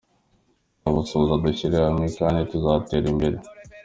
Nzabahuza dushyire hamwe kandi tuzatera imbere.